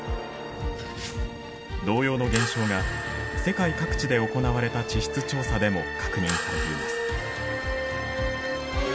同様の現象が世界各地で行われた地質調査でも確認されています。